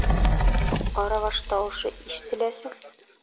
Ҡарабаш тауышы ишетеләсе!..